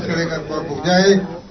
serikat keluarga bukjai